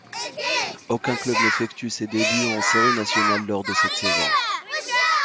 Aucun club n'effectue ses débuts en séries nationales lors de cette saison.